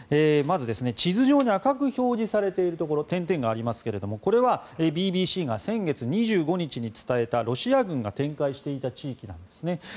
まず、地図上に赤く表示されているところ点々がありますが、これはＢＢＣが先月２５日に伝えたロシア軍が展開していた地域なんですね。